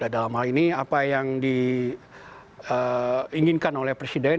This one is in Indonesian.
dalam hal ini apa yang diinginkan oleh presiden